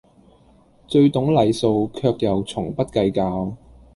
最懂禮數卻又從不計較